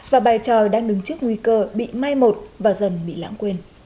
và bài tròi đang đứng trước nguy cơ bị mai một và dần bị lãng quên